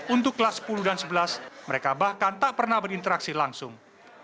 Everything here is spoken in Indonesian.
untuk kelas sepuluh dan sebelas mereka bahkan tak pernah berinteraksi langsung